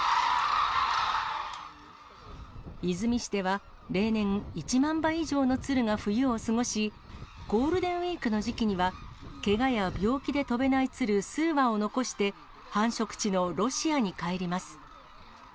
出水市では例年、１万羽以上のツルが冬を過ごし、ゴールデンウィークの時期には、けがや病気で飛べないツル数羽を残して、繁殖地のロシアに帰ります。